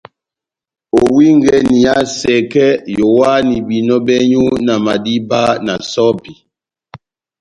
Owingɛni iha sɛkɛ, yowahani behinɔ bɛ́nywu na madiba na sɔ́pi.